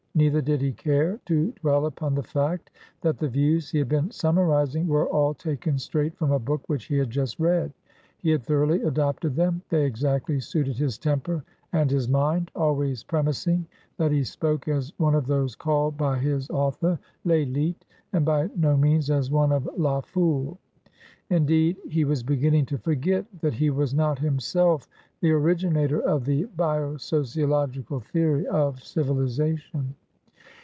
Neither did he care to dwell upon the fact that the views he had been summarising were all taken straight from a book which he had just read. He had thoroughly adopted them; they exactly suited his temper and his mindalways premising that he spoke as one of those called by his author L'Elite, and by no means as one of la Foule. Indeed, he was beginning to forget that he was not himself the originator of the bio sociological theory of civilisation.